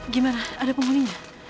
gimana ada penghuni ya